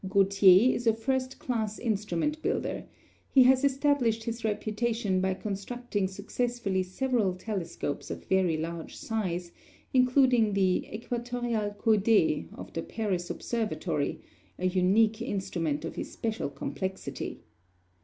Gautier is a first class instrument builder; he has established his reputation by constructing successfully several telescopes of very large size, including the equatorial coudé of the Paris Observatory, a unique instrument of especial complexity.